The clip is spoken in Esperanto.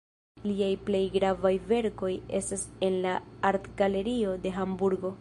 Liaj plej gravaj verkoj estas en la Artgalerio de Hamburgo.